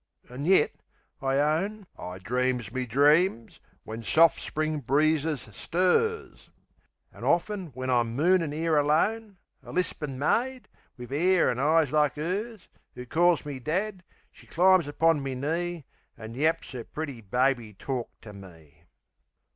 An' yet I own I dreams me dreams when soft Spring breezes stirs; An' often, when I'm moonin' 'ere alone, A lispin' maid, wiv 'air an' eyes like 'ers, 'Oo calls me "dad," she climbs upon me knee, An' yaps 'er pretty baby tork to me.